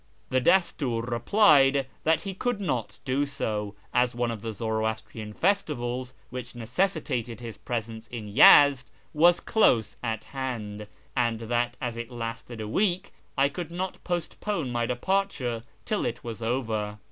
The Dastur replied that he could not do so, as one of the Zoroastrian festivals, which necessitated his presence in Yezd, was close at hand, and that as it lasted a week I could not postpone my departure till it was over.